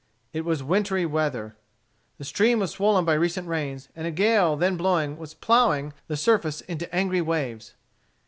It was wintry weather. The stream was swollen by recent rains, and a gale then blowing was ploughing the surface into angry waves.